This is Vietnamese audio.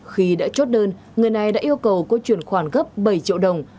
khi đã chốt đơn người này đã yêu cầu cô chuyển khoản gấp bảy triệu đồng